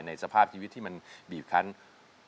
สภาพชีวิตที่มันบีบคัน